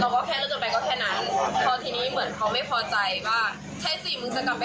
ก็หมายความว่าเราทะเลาะกันมาตลอดแล้วเขาก็ตีหนูมาตลอด